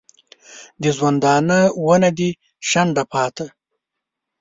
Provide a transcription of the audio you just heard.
د ژوندانه ونه دي شنډه پاته